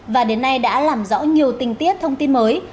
và đến nay đã làm rõ nhiều tình tiết thông tin mới